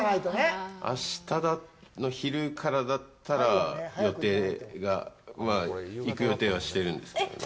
あしたの昼からだったら行く予定はしてるんですけどね。